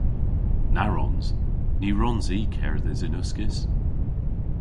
Na wrons! Ny wrons i kerdhes yn uskis.